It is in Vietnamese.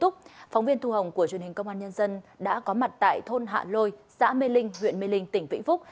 chương trình công an nhân dân đã có mặt tại thôn hạ lôi xã mê linh huyện mê linh tỉnh vĩnh phúc